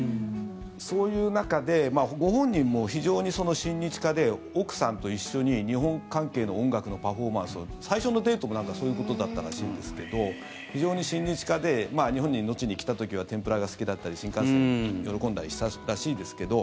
そういう中でご本人も非常に親日家で、奥さんと一緒に日本関係の音楽のパフォーマンスを最初のデートもそういうことだったらしいですが非常に親日家で後に日本に来た時は天ぷらが好きだったり新幹線を喜んだりしたらしいですけど。